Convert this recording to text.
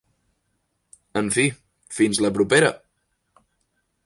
En fi, fins la propera!